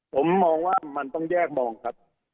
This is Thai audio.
ผมมองว่ามันต้องแยกมองครับ